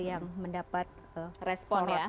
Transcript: yang mendapat respon ya